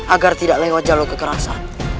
agar tidak lewat jalur kekerasan